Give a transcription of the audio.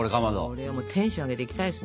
これはテンション上げていきたいですね。